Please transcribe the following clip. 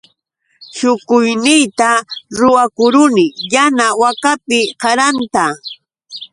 Shukuyniyta ruwakuruni yana wakapi qaranta.